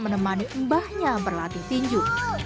menemani mbahnya berlatih tinju